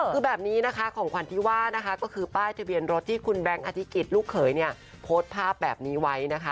คือแบบนี้นะคะของขวัญที่ว่านะคะก็คือป้ายทะเบียนรถที่คุณแบงค์อธิกิจลูกเขยเนี่ยโพสต์ภาพแบบนี้ไว้นะคะ